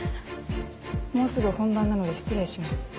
もうすぐ本番なので失礼します。